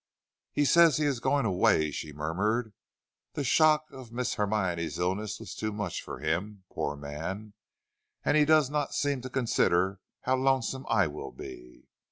"He says he is going away," she murmured. "The shock of Miss Hermione's illness was too much for him, poor man! and he does not seem to consider how lonesome I will be.